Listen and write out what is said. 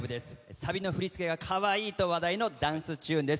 サビの振り付けがかわいいと話題のダンスチューンです。